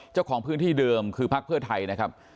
เจ้าของพื้นที่เดิมคือพักเพื่อไทยนะครับ